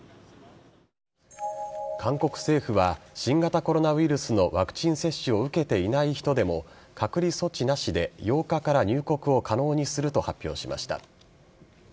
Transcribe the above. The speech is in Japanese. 韓国政府は新型コロナウイルスのワクチン接種を受けていない人でも隔離措置なしで、８日から入国を可能にすると発表しました。